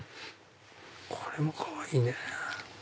これもかわいいね。